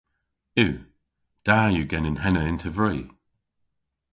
Yw. Da yw genen henna yn tevri.